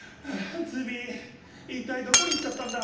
ズビいったいどこに行っちゃったんだ？